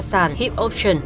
sàn hip option